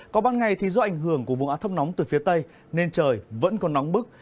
còn ban ngày thì do ảnh hưởng của vùng át thấp nóng từ phía tây nên trời vẫn còn nóng bức